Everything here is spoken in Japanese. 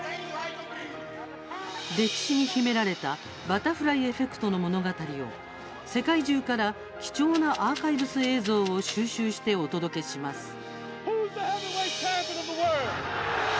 歴史に秘められたバタフライエフェクトの物語を世界中から貴重なアーカイブス映像を収集してお届けします。